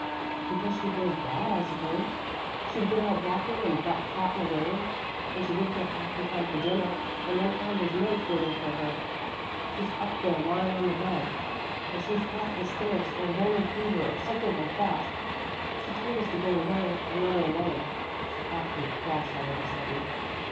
"Because she feels bad, I suppose. She'd been out walking, and got caught in the rain, and she didn't get back in time for dinner, and then found those notes waiting for her. She's up there lying on the bed, and she's got hysterics or Roman fever or something like that. She told us to go away and let her alone. She's awfully cross all of a sudden."